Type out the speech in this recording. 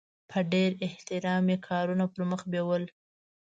په ډېر احترام یې کارونه پرمخ بیول.